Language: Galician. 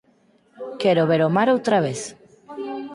Quero ver o mar outra vez.